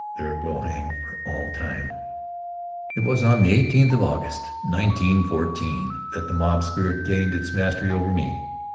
There it will hang for all time. It was on the 18th of August, 1914, that the mob spirit gained its mastery over me.